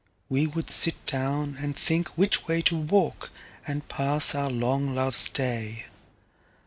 We would sit down, and think which wayTo walk, and pass our long Loves Day.